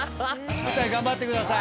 舞台頑張ってください。